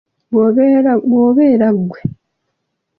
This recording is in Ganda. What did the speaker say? Bw'obeera ggwe?